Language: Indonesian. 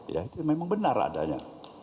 ya itu memang benar adanya